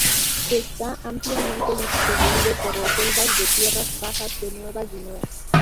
Está ampliamente distribuido por las selvas de tierras bajas de Nueva Guinea.